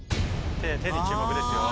手に注目ですよ。